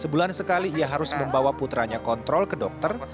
sebulan sekali ia harus membawa putranya kontrol ke dokter